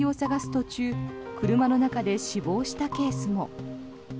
途中車の中で死亡したケースも。